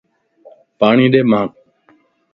پاڻي ڏي مانک